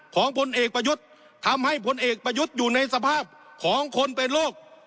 ผลเอกประยุทธ์ทำให้พลเอกประยุทธ์อยู่ในสภาพของคนเป็นโรค